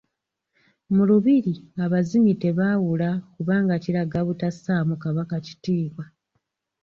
Mu Lubiri abazinyi tebaawula kubanga kiraga butassaamu Kabaka Kitiibwa.